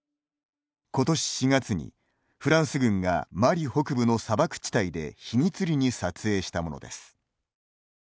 ことし４月にフランス軍がマリ北部の砂漠地帯で秘密裏に撮影したものです。